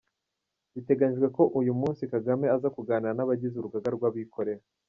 Biteganyijwe ko uyu munsi Kagame aza kuganira n’abagize urugaga rw’abikorera